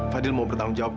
fadil mau bertanggung jawab